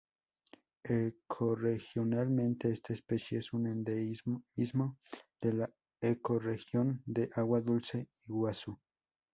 Ecorregionalmente esta especie es un endemismo de la ecorregión de agua dulce Iguazú.